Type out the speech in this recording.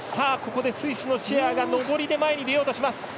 スイスのシェアが上りで前に出ようとします。